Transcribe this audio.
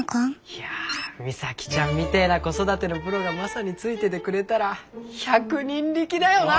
いや美咲ちゃんみてえな子育てのプロがマサについててくれたら百人力だよな。